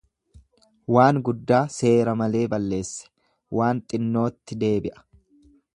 Waan guddaa seera malee balleesse, waan xinnootti deebi'a.